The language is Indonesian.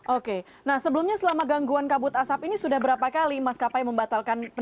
oke nah sebelumnya selama gangguan kabut asap ini sudah berapa kali maskapai membatalkan